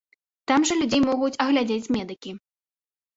Там жа людзей могуць агледзець медыкі.